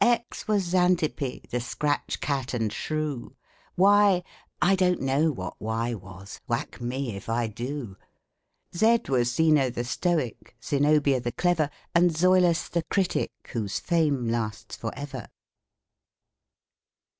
X was Xantippe, the scratch cat and shrew, Y, I don't know what Y was, whack me if I do ! Z was Zeno the Stoic, Zenobia the clever, And Zoilus the critic, whose fame lasts forever.